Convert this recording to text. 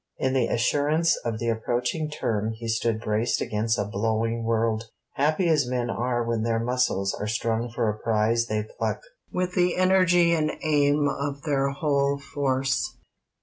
In the assurance of the approaching term he stood braced against a blowing world; happy as men are when their muscles are strung for a prize they pluck with the energy and aim of their whole force.